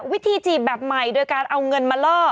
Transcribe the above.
วิธีจีบแบบใหม่โดยการเอาเงินมาล่อ